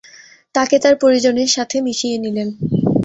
তাকে তার পরিজনের সাথে মিশিয়ে নিলেন।